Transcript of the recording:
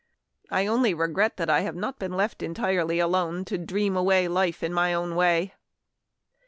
I only regret that I have not been left entirely alone, and to dream away life in my own way."